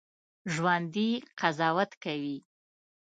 ژوندي قضاوت کوي